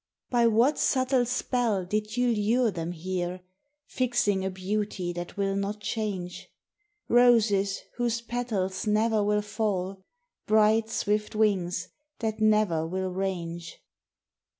By what subtle spell did you lure them here, Fixing a beauty that will not change, — Hoses whose petals never will fall, Bright, swift wings that never will range?